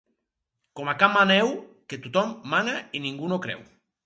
Com a can Maneu, que tothom mana i ningú no creu.